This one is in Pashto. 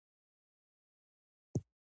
څه توپیر په لیکنه کې نه وینو؟